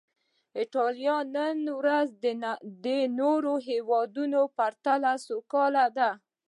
ایټالیا نن ورځ د نورو هېوادونو په پرتله سوکاله ده.